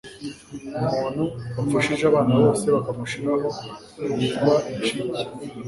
Umuntu wapfushije abana bose bakamushirahoytwa inshike